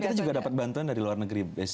dan kita juga dapat bantuan dari luar negeri